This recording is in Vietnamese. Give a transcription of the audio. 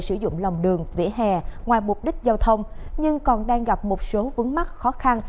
sử dụng lòng đường vỉa hè ngoài mục đích giao thông nhưng còn đang gặp một số vướng mắt khó khăn